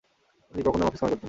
তিনি কখনও অফিস কামাই করতেন না ।